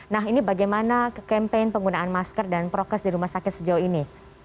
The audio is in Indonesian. nah ini bagaimana kempen penggunaan masker dan prokes di rumah sakit sejauh ini